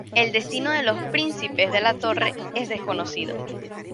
El destino de los ""Príncipes de la Torre"" es desconocido.